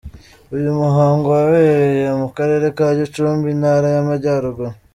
uyu muhango wabereye mu karere ka Gicumbi, Intara y'Amajyaruguru.